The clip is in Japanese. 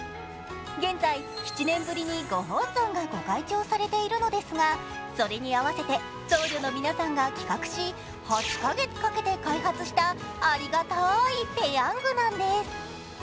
現在、７年ぶりにご本尊がご開帳されているのですがそれに合わせて僧侶の皆さんが企画し８カ月かけて開発したありがたいペヤングなんです。